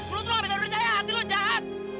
lo tuh gak bisa percaya hati lo jahat